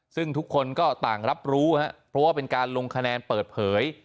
ซึ่งทุกคนก็ต่างรับรู้เพราะว่าเป็นการลงคะแนนเปิดเผย